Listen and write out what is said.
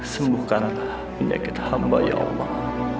sembuhkan penyakit hamba ya allah